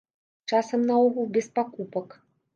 Часам наогул без пакупак.